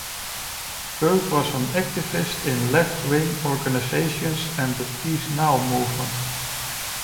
Burg was an activist in left-wing organizations and the Peace Now movement.